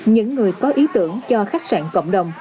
những người có ý tưởng cho khách sạn cộng đồng